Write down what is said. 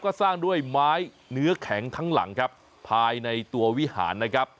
ก็สร้างด้วยไม้เนื้อแข็งทั้งหลังครับภายในตัววิหารนะครับ